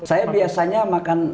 saya biasanya makan